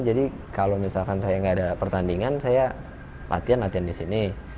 kalau misalkan saya nggak ada pertandingan saya latihan latihan di sini